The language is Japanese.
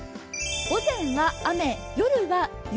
午前は雨、夜は雪？